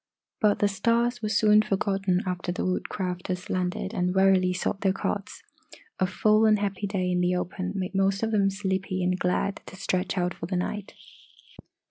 But the stars were soon forgotten after the Woodcrafters landed and wearily sought their cots. A full and happy day in the open made most of them sleepy and glad to stretch out for the night.